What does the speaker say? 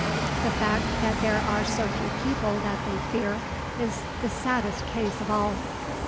The fact that there are so few people that they fear is the saddest case of all.